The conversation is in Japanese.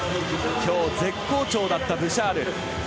今日、絶好調だったブシャール。